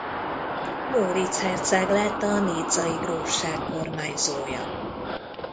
Móric herceg lett a Nizzai Grófság kormányzója.